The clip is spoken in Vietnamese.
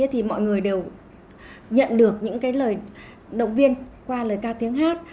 thì mọi người đều nhận được những cái lời động viên qua lời ca tiếng hát